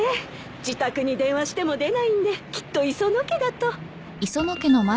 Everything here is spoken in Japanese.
自宅に電話しても出ないんできっと磯野家だと。